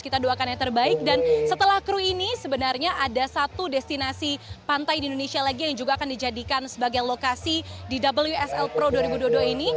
kita doakan yang terbaik dan setelah kru ini sebenarnya ada satu destinasi pantai di indonesia lagi yang juga akan dijadikan sebagai lokasi di wsl pro dua ribu dua puluh dua ini